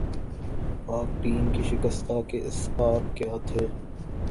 پاک ٹیم کے شکستہ کے اسباب کیا تھے